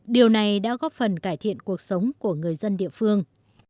điều này đã góp phần cải thiện cuộc sống của người dân địa phương